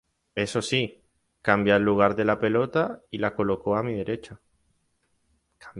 Eso sí, cambió el lugar de la pelota y la colocó a mi derecha.